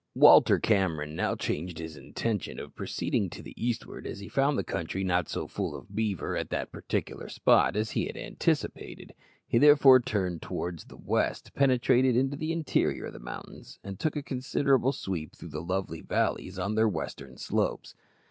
Walter Cameron now changed his intention of proceeding to the eastward, as he found the country not so full of beaver at that particular spot as he had anticipated. He therefore turned towards the west, penetrated into the interior of the mountains, and took a considerable sweep through the lovely valleys on their western slopes.